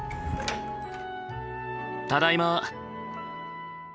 ただいま。